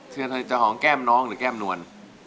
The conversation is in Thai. จะหอมแก้มน้องหรือแก้มนวล